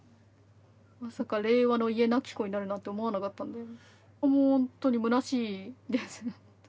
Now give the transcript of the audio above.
まさか令和の家なき子になるなんて思わなかったんでもうほんとにむなしいですね。